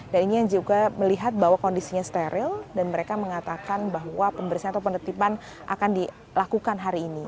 dan ini yang juga melihat bahwa kondisinya steril dan mereka mengatakan bahwa pemberesan atau penertiban akan dilakukan hari ini